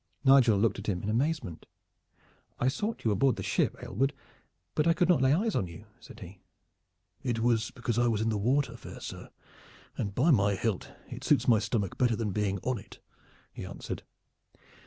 Nigel looked at him in amazement. "I sought you aboard the ship, Aylward, but I could not lay eyes on you," said he. "It was because I was in the water, fair sir, and by my hilt! it suits my stomach better than being on it," he answered.